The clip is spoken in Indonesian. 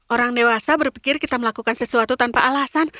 orang dewasa berpikir kita melakukan sesuatu tanpa alasan